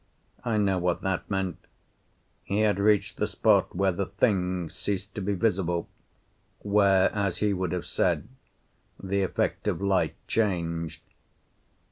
I know what that meant. He had reached the spot where the Thing ceased to be visible where, as he would have said, the effect of light changed.